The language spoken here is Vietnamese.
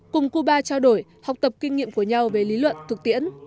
cùng cuba trao đổi học tập kinh nghiệm của nhau về lý luận thực tiễn